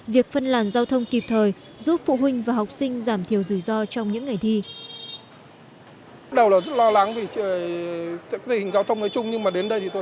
việc phân làn giao thông kịp thời giúp phụ huynh và học sinh giảm thiểu rủi ro trong những ngày thi